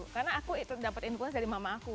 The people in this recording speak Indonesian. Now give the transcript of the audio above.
karena aku itu dapat influence dari mama aku